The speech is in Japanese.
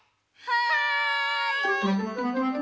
はい！